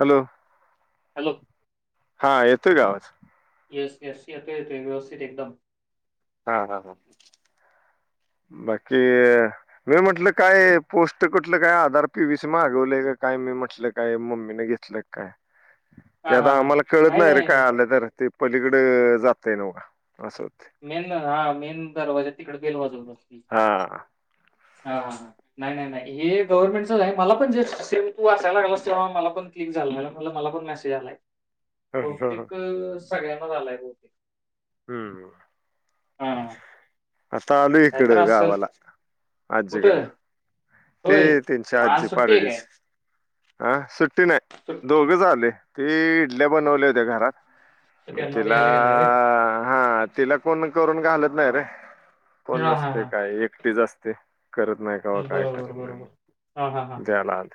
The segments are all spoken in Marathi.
हॅलो हॅलो हा येतोय का आवाज येस यस येतो येतो व्यवस्थित एकदम हा हा हा [inaudible] बाकी मी म्हटलं काय पोस्ट कटलं काय आधार पीवीस मागवलेय का काय मी म्हटलं काय मम्मीने घेतलंय का काय हा ते हा आता हा आम्हाला कळत नाही रे काय आलं तर ते पलीकड जातय नव असं हो मेन हा मेन दरवाजा तिकड बेल वाजू बसती हा हा नाही नाही नाही हे गव्हर्नमेंटच आहे मला पण जे सेम तू असायला गलास ते मला पण क्लिक झाल हा मला पण मेसेज आलाय हम्म बहुतेक सगळ्यांनाच आलाय बतेक हम्म हा आता आल काय इकड तर असेल गावाला आज्जीकड कुठं ते होय त्यांच्या मग आज आजी सुट्टी आहे पाडेलीच. काय अ सुट्टी नाही, सुट- दोघेच आलय ते इडल्या बनवल्या होत्या घरात. म त्यांना तिला... द्यायला गेलाय रे हा तिला कोण करून घालत नाही रे! कोण हा हा हा नसते काय एकटीच असते. करत नाही, कावा काय बरोबर करत नाही, बरोबर मग जयलाल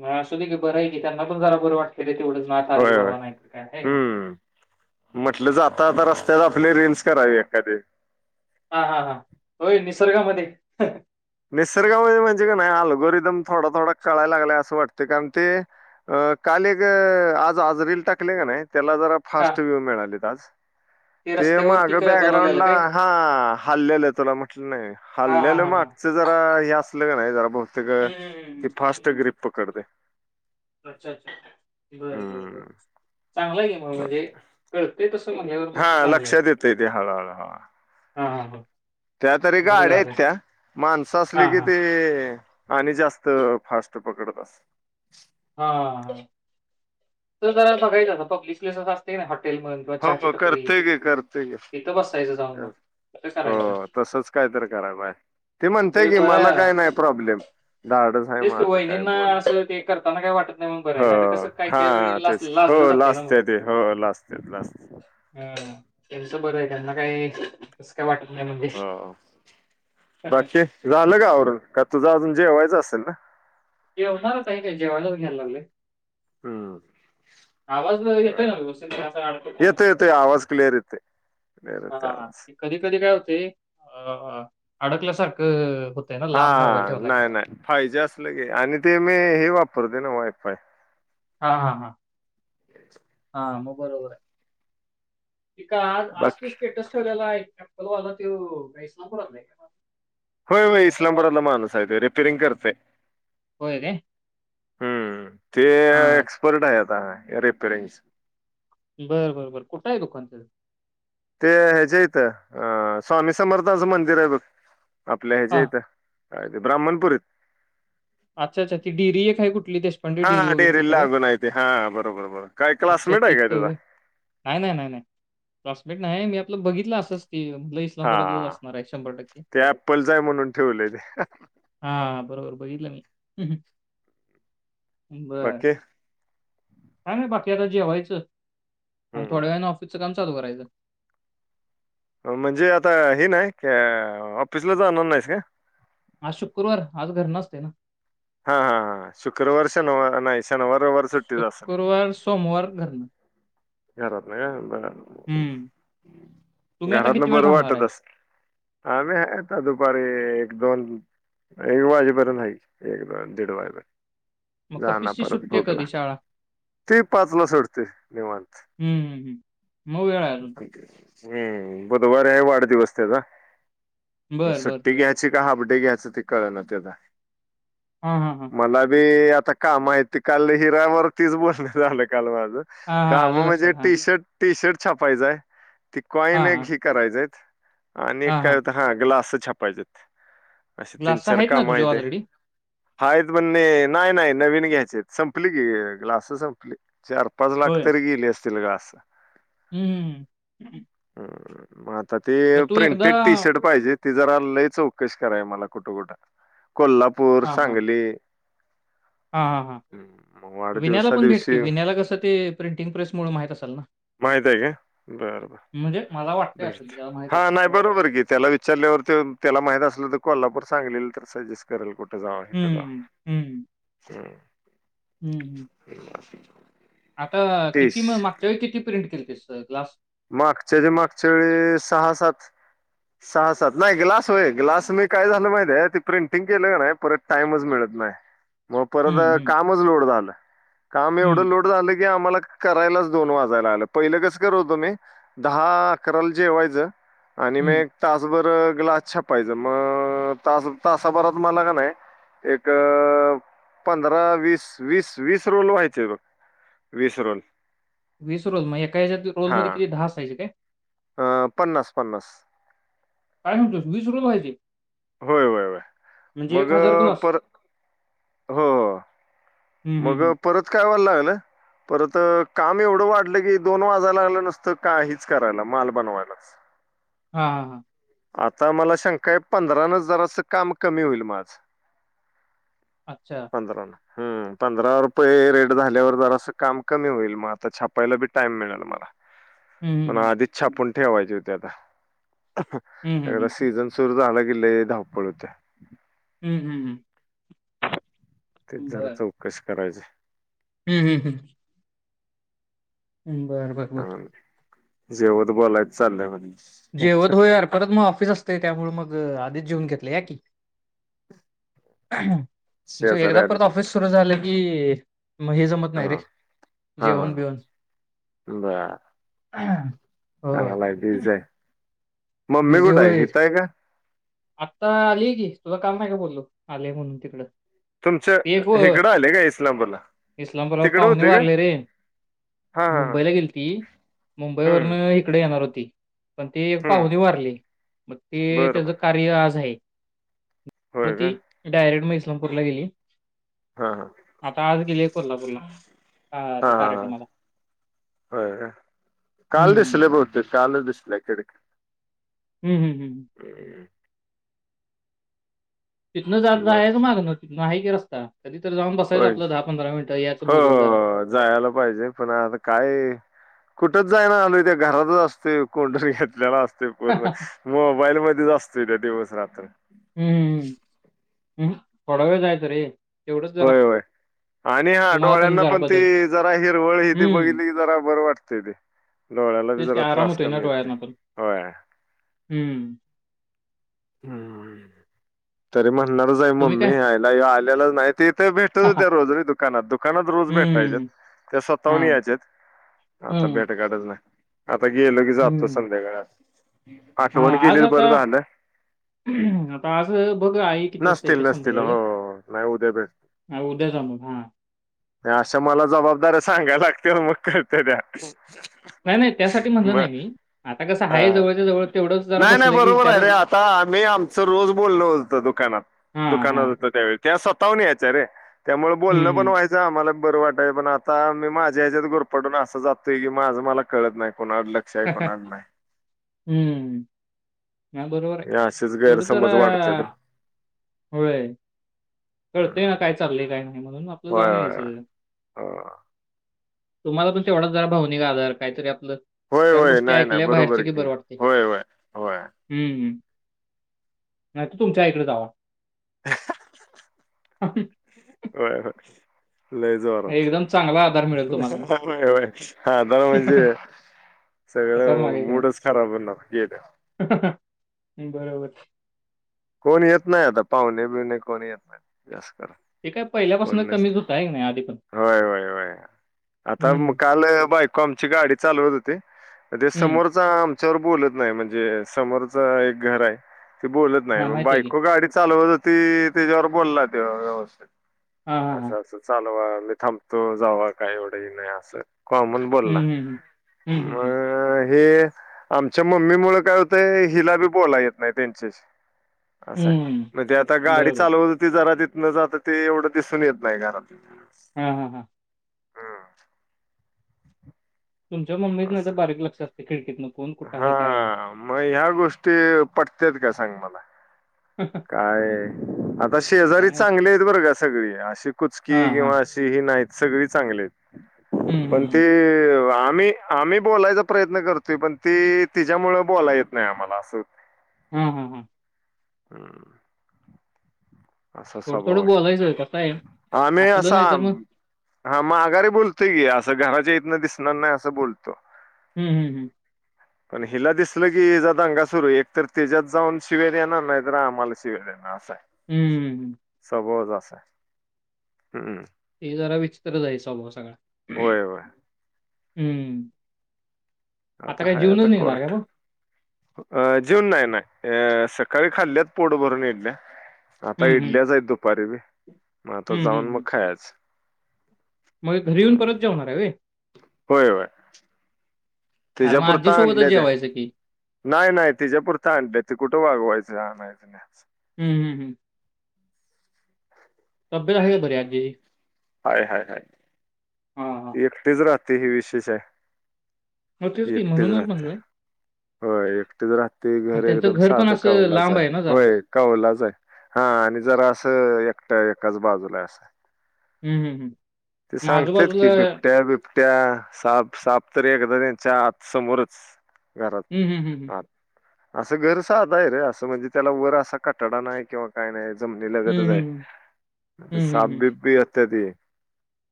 म असू दे की बरं आहे की, त्यांना पण जरा बरं वाट के तेवढंच नाथ आलं की होय होय बाबावा नाही काय आहे का नाही. हम्म म्हटलं जाता जाता रस्त्यात आपले रिल्स करावे एखादे. हा हा हा, होय निसर्गामध्ये. निसर्गामध्ये म्हणजे का नाही, आलूगोरीदम थोडा- थोडा कळायला लागलाय असं वाटते कारण ते अ काल एक आज आज रील टाकले का नाही त्याला जरा हां, फास्ट व्ह्यू मिळालीत आज. [inaudible] ते माग काय बॅकग्राउंड बनवलेलं ला काय? हा हल्लेलं तुला म्हटलं नाही हां, हां, हल्लेलं हां, मग हां. जरा हे असलं नाही जरा बघते हं, हं, हं, ती हं. फास्ट ग्रीप पकडतय. अच्छा, अच्छा! बर बर बर, हम्म चांगला गेम म्हणजे कळते तस. हा लक्षात येते ते हळूहळू हळ हा हा. त्या तरी गाड्या आहेत त्या माणसं असली हां, कि हां. ते आणि जास्त फास्ट पकडत अस हा, तर जराला बघायचं पब्लिक पेस अस असते ना हॉटेल मन हो करते ग, करते ग. बसायचं जाऊन मग. असं करायचं. हो तसच काय तर करा आहे. ते म्हणतेय की बरं मला आहे. काय नाही प्रॉब्लेम. धाडच आहे तेच कि माझं काय वहिणींना बोला असं ते करताना काय वाटत नाही मग हो बरं नाही आता कस काही काही वेळ हा ला तेच हो लाजलं जातय ना लास्ट मग. आहे ते हो लास्ट आहेत लास्ट ह त्यांच बरं आहे त्यांना काय तस काय वाटत नाही म्हणजे. हो बाकी झालं का आवरून का तुझं अजून जेवायचं असेल ना? जेवणार काही काय जेवायलाच घ्याय लागलोय. हम! आवाज ह येतोय ना व्यवस्थित पण असा अडकत येतो नाही. येतो आवाज क्लिअर येते येते हां, आवाज. कधी कधी काय होते अ अडकल्यासारखं ना हा लांब मोबाईल हा ठेवला की. नाही नाही फायजे असलं गी, आणि ते मी हे वापरते ना वायफाय. हा हा हा हा, म बरोबर आहे. त का आज आज ते बाकी स्टेटस ठेवलेला आहे ॲपलवाला तेव काय इस्लामपुरातला आहे. होय होय मोबाईलवाला. इस्लामपुरातला माणूस साहेब त्यो रिपेरिंग करते. होय काय? हम्म! ते हां, एक्सपर्ट आहे आता रिपेरिंग. बरं बरं बरं, कुठं आहे दुकान? ते ह्याच्या यथं अ स्वामी समर्थाचं मंदिर आहे बघ. आपल्या ह्याच्या हां, यथं काय ते ब्राह्मण पुरीत. अच्छा, अच्छा. ती डेअरी एक आहे कुठली देशपांडे हा डेअरी डेअरीला वगैरे डेअरीला तिथं काय? लागून आहे ते, बरोबर बरोबर! काय अच्छा क्लासमेट आहे काय तिथं तुझा. होय. नाही नाही नाही नाही, क्लासमेट नाही मी आपलं बघितलं असच ती हा ते अप्पलच आहे म्हणून ठेवलंय ते. हा बरोबर बघितल मी. बर! बाकी सांग ना बाकी आता जेवायचं आणि हम्म. थोड्या वेळाने ऑफिसचं काम चालू करायचं. म्हणजे आता हे नाही क ऑफिसला जाणार नाहीस का? आज शुक्रवार आज घर नसते ना. हा हा हा शुक्रवार शनवार नाहीच. शनिवार रविवार. सुट्टीच असेल शुक्रवार सोमवार घर घरात ना का बर, हम्म तुम्ही आता घरात ना किती वेळ बरं थांबणार वाटत आहे अस. आम्ही आता दुपारी एक दोन एक वाजेपर्यंत हा एक दीड वाजेपर्यंत मग जाना कपिसची परत सुट्टी आहे भोकला कधी शाळा ते पाचला सोडते निेवण हम्म हम्म हम् मग वेळा अजून हम्म बुधवार आहे वाढदिवस त्याचा म बर बर सुट्टी बर घ्या काय हपडे घ्यायचं ते कळ ते त्या हा हा हा मला बी आता का माहिती काल हिरा्यावरतीच बोलण झालं काल माझं हां हां का आलं मग म्हणजे लक्षात हां टी शर्ट टी शर्ट छापायचाय ती हां कॉइन एक हां ही करायचय आणि एक हां काय हां होत हा ग्लास छपायचे असे तीन ग्लास चार आहेत ना काम तुझे आहे ते ऑलरेडी हाय म्हणणे नाही नाही नवीन घ्यायचे आहेत संपली की ग्लास संपली चार पजलाक होय तिरीगले असतीलील घस हम्म हम मग आता ते एकदा प्रिंटेड टी शर्ट पाहिजे ति जरा लई चौकशी कराय मला कुठं कुठं कोल्हापूर सांगली हा हा हम्म, मग हां विन्याला वाढदिवसा पण भेट क दिवशी विनला कसं ते प्रिंटिंग प्रेस मु माहित असाल ना माहितग ब म्हणजे मला वाटतंय असंी त्याला माहीित हा असत नाही हो बरोबर की त्याला विचारल्यावर ते त्याला माहित असलं तर कोल्हापूर सांगले तर सजेस्ट केल कुठे जा हथचा हं, हम् हम्म हम् फि आता किती म मागच्या वेळी किती प्रिंट केली तेस ग्लास मागच्या ज मागच्या वेळी सहा सात [inaudible] सहा सात नाही ग्लास होय ग्लास मी काय झालं माहिित आहेे त ते प्रिंटिंग केलं ग नाही परत टाइमच मिळत नाही [inaudible] मग हं, परत हं, कामच लोड झालं काम एवढं हं, लोड झा की आम्हाला करायलाच दोन वाजायला आलं पहिलं कसं करव होतुम्ही दहा अकराल जेवायच आणि हं. मग तासभर ग्लास छापायचं मग तास तासाभरात मला का नाही एक पंधरा वीस वीस वीस रोलोल व्हायचे बघ विसरून वीस रोल मग एका ह्या रोल मध्ये किती दहाायजे काय अ पन्नास पन्नास काय म्हणतोस वीस रुपय व्हायचे होय होय होय म्हणजे मग एक हजार अं, कणस पर हो हो हं, हं, मग हं. परत काय व्हायला लागलं परत काम एवढं वाढलं की दोन वाजायला लागलं नसतं काहीच करायला माल बनवायलाच हा ह हां आता मला शंकाय पंधरा हजाराचं काम कमी होईल माझं अच्छा ब रा ना हम पंधरा रुपये रेट झाल्यावर जर असं काम कमी होईल मग आता छापायला बी टाइम मिळेल मला [inaudible] मण हं. आद इच्छा पण ठेवायची होती आता हं, हं, एकदा हं. सीझन सुरू झाला गे धावपळ होत्या हम्म हम्म हम् तेच जरा चौकशी करायची हम् हम् हम् बरं बरं बरं. जेवत बोलायच चाललं म्हण जेवत होयर परत मग ऑफिस असते त्यामुळे मग आधीच जेवन घेतले या की म्हणे शेजारी एकदा आले परत तो ऑफिस सुरू झालं की मग हे जमत हा नाही रे हा जेवण हा. बिऊन बर चांगला आहे तच आहे मम्मी बिझी कुठं आहे होईल. हथय का आत्ता आलीय की तुला काल नाही का बोललू आलेय म्हणून तिकड तुमच्या ते व इकडं आले का इस्लामपूरला इस्लामबाला तिकडं पाहुणे होते का वारले रे हा हा हा मुंबईला गेलथी मुंबई वरन हम्म एकडे येणार होती पण ते हम्म पाहुणे वारले मग ते बरं बरं त्याच कार्य आज आहे होय का? ती डायरेक्ट मग इस्लामपूरला गेली हा हा आता आज गेलीये कोल्हापूरला आ त्या कार्यक्रमाला हो का काल हं. दिसले बहुतेक काल दिसलया कडक्या हम् हम हमम ह् [unintelligible] तिथनं जा जाहायचं बाकी मागणं तिथं आहे की रस्ता कधी तर जाऊन बसायचं होय आपलं दहा पंधरा मिनिटं याचं हो बोलून जारा हो जायला पाहिजे पण आता काय कुठच जाय ना आलो त्या घरातच असते कोंडून घेतलेला असत ते पूर्ण मोबाईल मध्येच असतोय त्या दिवस रात्र हम्म थोडा व जायच रे तेवढंच जरा होय होय. आणि हा तुम्हाला डोळ्यांना जरा पण बदल ती जरा हिरवळ ही ती हम्म बघितली की जरा बर वाटतय ते डोळ्याला बी जरा त्रास कमी येते ह हम्म हम् तरी म्हणणारच आहे तुम्ही काय मम्मी आयला आलेलाच नाही ते तर भेटत होद्या रोज रे दुकानात दुकानात रोज भेटत पाहिज हम्म त्या हा स्वतःवून यायच्यात आता हम्म भेट गाठचं नाही आता गेलो की जातातो हम्म संध्याकाळात हा आज आता आ आज बघ आई किती वाजता नसतील येते नसतील संध्याकाळी हो नाही उद्या भेट हा उद्या जाऊ हा आणि अशा मला जबाबदाऱ्या सांगायला लागत्याल मग करते त्या नाही नाही त्यासाठी म्हणलं मग नाही मी आता कसं आहे हा. जवळच्या जवळ तेवढंच जरा बसलं की बचार मी आमचं रोज बोलल होत दुकानात हा हा दुकानात होत त्यावेळी ते स्वतःहुन यायच्यारे त्यामुळे बोलणं पण हम्म व्हायचं आम्हाला बरं वाटाय पण आता मी माझ्या ह्याच्यात गोरपडून असं जातोय की माझं मला कळत नाही कोणा अडलं विशही कोणाच नाही हम्म ह बरोबर आहे हे असेच तेवढं जरा गैरसमज वाढतात रे. होय हम्म. कळतेय ना काय चाललेय काय नाही म्हणून आपलं जाऊन यायचं ह तुम्हाला पण तेवढाच जरा भावनिका आधार काहीतरी आपलं होय च होय गोष्टी ऐकल्या बाहेरच की बरं वाटते हो हम्म नाही त तुमच्या आईकडे जावा ह ह [unintelligible] हय हय लय जारात एकदम चांगला आधार मिळेल तुम्हाला मग. हा आता म्हणजे खतरनाक सगळं एकदम. मूडच सरा बणार ये दे बरोबर कोण येत नाही आता पाहुणे बिऊणे कोण येत नाही जास्त ते काय पहिल्यापासून कोण कमीच होतं आहे की नाही आधी पण. होय होय होय आता हं, काल बायक को आमची गाडी चालवत होती ते हं. समोर आमच्यावर बोलत नाही म्हणजे समोरच एक घर आहे ते बोलत हां, नाही माहिती आहे की. बायको गाडी चालवत होती त्याच्यावर बोलला ते व्यवस्थ हां, हां, हां. असं अस चालवा मी थांबतो जावा काही एवढंही नाही असं कॉमन हं, बोलला हं, हं. हं, हं, अ हं. हे आमच्या मम्मी मुळ काय होतंय हिला बी बोला येत नाही त्यांच्याशी असं म्हणजे आता हं, गाडी बरोबर. चालवत होती जरा तिथन जात ते एवढं दिसून येत नाही घरात हमं हंम हंम तुमच्या मम्मीच नाही तर असं बारीक लक्ष असते खिडकीत कोण कुठं हा आहे, काय आहे. मग ह्या गोष्टी पटत्यात का सांग मला? काय आता शेजारी काय चांगले आहेत बरं का? सगळी अशी हा कुचकी हा किंवा अशी ही नाहीत सगळी चांगली आहेत हम्म हम्म पण ते हम्म. आम्ही आम्ही बोलायचा प्रयत्न करतोय पण, ते तिच्यामुळे बोलायला येत नाही आम्हाला असं होतय हम हं हम् असा थोडं स्वभाव थोडं बोलायचं कसं आहे आम्ही आपलं असा नाही तर मग हा मग माघारी बोलतोय की असं घराच्या इथन दिसणार नाही असं बोलतो हम् हम् हम पण हिला दिसलं की हिचा दंगा सुरू एक तर त्यांच्यात जाऊन शिव्या येणार नाहीतर आम्हाला शिव्या देणार असा आहे. हम्ममम स्वभावच असा आहे हम्म हे जरा विचित्रच आहे स्वभाव सगळां होय होय हम्म आता काही जेवूनच निघणार काय मग? अ जेवून नाही नाही सकाळी खाल्ल्यात पोट भरून य इडल्या आता हम्म हम्म. इडल्याच आहेत दुपारी बी मग आता हम्म हम्म जाऊन मग हम्म. खायच मग घरी येऊन परत जेवणार आहे होय तिच्या पुुरता आणल्या त्या जेवायचं की. नाही नाही तिच्यापुरतं आणलंयात ते कुठं वागवायचं आणायच हम् हम्म हम तब्येता आहे का बरी आजीची? हाय हाय हाय हां हां. एकटीच राहत्या हे विशेष आहे मग तेच की एकटीच म्हणूनच राहत्या म्हणलं होय एकटीच राहत्या ते घर आणि त्यांचं एकदम पण साधं असं कवलाच लांब आहे. ना जरा. होय कौवलाच आहे हा आणि जरा असं एकट्या एकाच बाजूला आहे असं हम् हम् हम ते सांगतेत की बिबट्या बिबट्या साप साप तरी एकदा त्यांच्या आत समोरच घरात हम हम हं हम असं घर साध आहे रे असं म्हणजे त्याला वर असा कटडा नाही किंवा काय नाही जमनी हं, लगतच आहे हं, हं. ते हं, हं, साप हं. बी येत्यात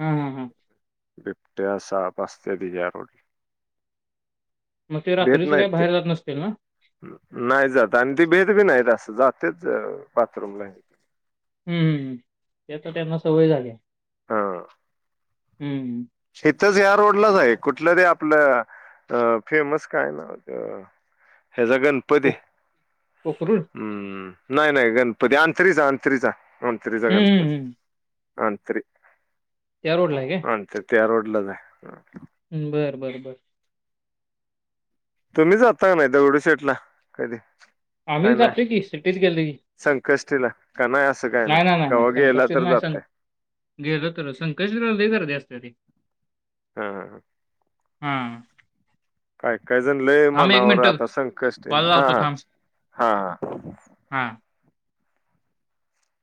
हा हा हा बिबट्या साप असतत्यात या रोडला मग ते भेत रात्रीच नाहीत काय ते. बाहेर जात नसतील ना? नाही जात आणि ती भेतं बी नाही अस जातेच बाथरूमला हम् हम्मम ते तर त्यांना सवय झाली हम्म इथच या रोडलाच आहे कुठलं त आपलं अ फेमस काय ना ह्याचा गणपती को कोकरूड? हम्म नाही नाही गणपती अंतरीचा अंतरीचा न थ्री जगनपर हं. न थ्री त्या रोड ला आहे का म्ह ते रोडला जा ह ् बरं बरं बरं तुम्ही जाता नाही दगडूशेठला कधी काय आम्ही नाही जातली की सिटीत गेले संकष्टीला का नाही असं काय नाही कवाघेला संकष्टीला तर नाही सं जातय गेलं तर संक गर्दी असते ती हा हा ह हां काय काय जण लय थांब मनावर मिनिटं आता संकष्ट आहे कॉल लावतो हा हा हा